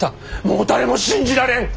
もう誰も信じられん！